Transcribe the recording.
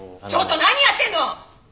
ちょっと何やってんの！